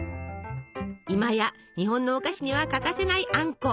今や日本のお菓子には欠かせないあんこ。